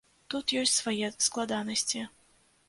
Тут ёсць свае складанасці.